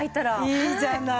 いいじゃない。